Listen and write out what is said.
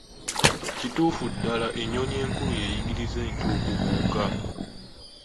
Kituufu ddala ennyonyi enkulu yeeyiriza ento okubuuka.